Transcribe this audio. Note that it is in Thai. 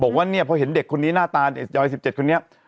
บอกว่าเนี่ยพอเห็นเด็กคนนี้หน้าตาเด็กวัย๑๗คนนี้